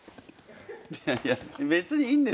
いやいや別にいいんですよ。